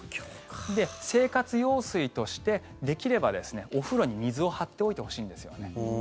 生活用水としてできればお風呂に水を張っておいてほしいんですよね。